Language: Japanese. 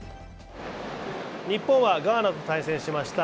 日本はガーナと対戦しました。